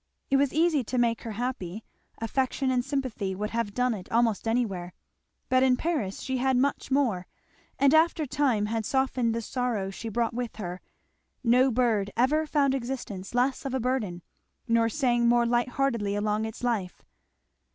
It was easy to make her happy; affection and sympathy would have done it almost anywhere; but in Paris she had much more; and after time had softened the sorrow she brought with her, no bird ever found existence less of a burden, nor sang more light heartedly along its life.